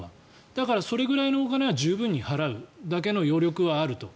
だからそれぐらいのお金は十分に払うだけの余力はあると。